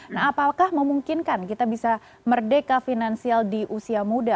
nah apakah memungkinkan kita bisa merdeka finansial di usia muda